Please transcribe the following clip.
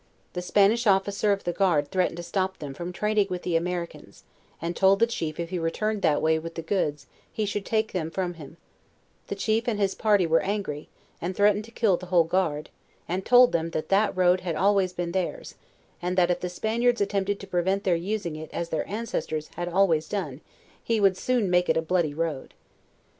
The Spanish officer of the guard threatened to stop them from trading with the Amer icans, and told the chief if ho returned that way with the goods he should take' them from him; the chief and his par ty were angry, and threatened to kill the whole guard, and told them that road had been always theirs and that if the Spaniards attempted to prevent their using it as their ances tors had always done, he would soon make it a bloody road.